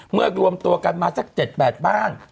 รวมตัวกันมาสัก๗๘บ้าน